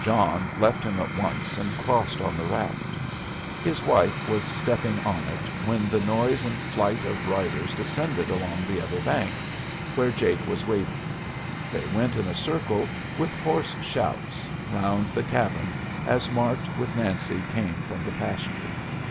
John left him at once, and crossed on the raft. His wife was stepping on it, when the noise and flight of riders descended along the other bank, where Jake was waiting. They went in a circle, with hoarse shouts, round the cabin as Mart with Nancy came from the pasture.